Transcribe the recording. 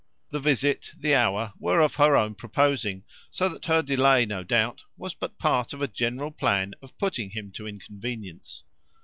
The visit, the hour were of her own proposing, so that her delay, no doubt, was but part of a general plan of putting him to inconvenience.